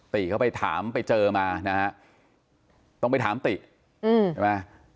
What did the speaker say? ติเขาไปถามไปเจอมานะฮะต้องไปถามติใช่ไหม